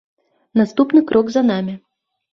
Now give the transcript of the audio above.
Наступны крок за намі.